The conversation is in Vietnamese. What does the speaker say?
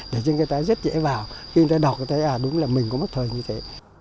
để cho người ta rất dễ vào khi người ta đọc thì thấy à đúng là mình có mất thời như thế